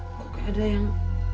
hai kok ada yang